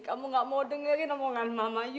kamu gak mau dengerin omongan mamanya